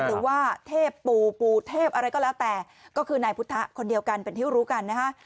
หรือว่าเทพปู่เทพอะไรก็แล้วแต่ก็คือนายพุทธะคนเดียวกันเป็นที่รู้กันนะฮะ